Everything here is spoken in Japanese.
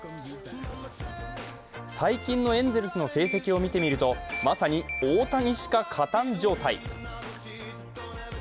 最近のエンゼルスの成績を見てみると、まさに大谷しか勝たん状態。